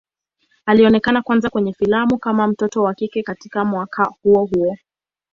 Alionekana kwanza kwenye filamu kama mtoto wa kike katika mwaka huo huo.